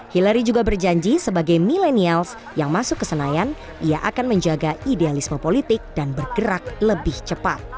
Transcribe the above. hillary juga berjanji sebagai milenials yang masuk ke senayan ia akan menjaga idealisme politik dan bergerak lebih cepat